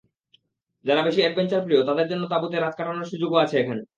যাঁরা বেশি অ্যাডভেঞ্চার–প্রিয়, তাঁদের জন্য তাঁবুতে রাত কাটানোর সুযোগও আছে এখানে।